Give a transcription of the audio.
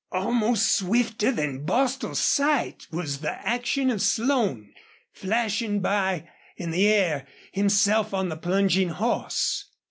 Almost swifter than Bostil's sight was the action of Slone flashing by in the air himself on the plunging horse.